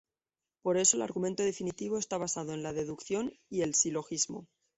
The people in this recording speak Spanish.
Por eso el argumento definitivo está basado en la deducción y el silogismo.